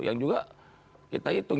yang juga kita hitung